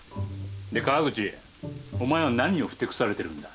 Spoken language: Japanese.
で河口お前は何をふてくされてるんだ？